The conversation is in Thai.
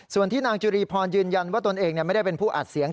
ส่วนที่นางจุรีพรยืนยันว่าตนเองไม่ได้เป็นผู้อัดเสียง